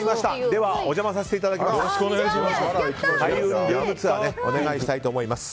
ではお邪魔させていただきます。